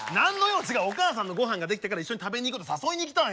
お母さんの御飯ができたから一緒に食べに行こうって誘いに来たんや。